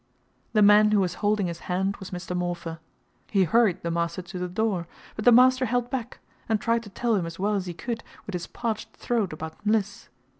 The man who was holding his hand was Mr. Morpher. He hurried the master to the door, but the master held back, and tried to tell him as well as he could with his parched throat about "Mliss."